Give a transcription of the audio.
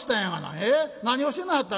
ええ？何をしてなはった？」。